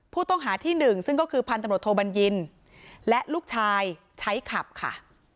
ผู้ต้องหาที่หนึ่งซึ่งก็คือพันตำรวจโทบัญญินและลูกชายใช้ขับค่ะ